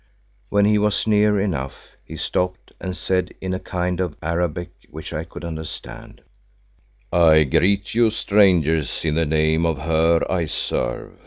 When he was near enough he stopped and said in a kind of Arabic which I could understand, "I greet you, Strangers, in the name of her I serve.